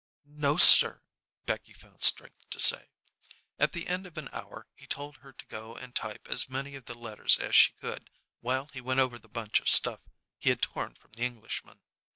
"No, sir," Becky found strength to say. At the end of an hour he told her to go and type as many of the letters as she could while he went over the bunch of stuff he had torn from the Englishman.